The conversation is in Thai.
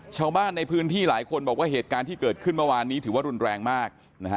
ชาวบ้านในพื้นที่หลายคนบอกว่าเหตุการณ์ที่เกิดขึ้นเมื่อวานนี้ถือว่ารุนแรงมากนะฮะ